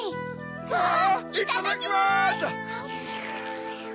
わぁいただきます！